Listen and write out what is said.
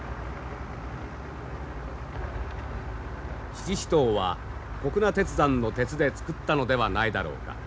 七支刀は谷那鉄山の鉄で作ったのではないだろうか。